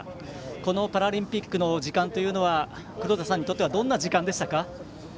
このパラリンピックの時間というのは黒田さんにとってはどんな時間でしたか？